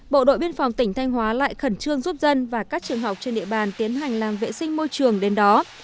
bộ đội biên phòng tỉnh thanh hóa lại khẩn trương giúp dân và các trường học trên địa bàn tiến hành làm vệ sinh môi trường đến đó